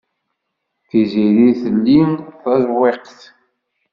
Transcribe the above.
Tiziri telli taḍwiqt.